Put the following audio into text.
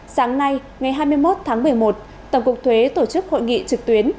sáng nay ngày hai mươi một tháng một mươi một tổng cục thuế tổ chức hội nghị trực tuyến